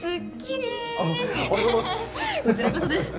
こちらこそです。